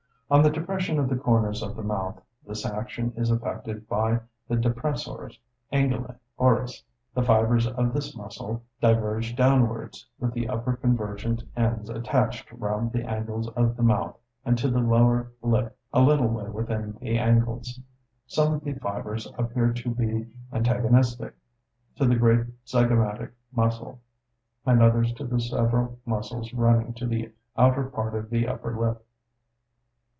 On the depression of the corners of the mouth.—This action is effected by the depressores anguili oris (see letter K in figs. 1 and 2). The fibres of this muscle diverge downwards, with the upper convergent ends attached round the angles of the mouth, and to the lower lip a little way within the angles. Some of the fibres appear to be antagonistic to the great zygomatic muscle, and others to the several muscles running to the outer part of the upper lip.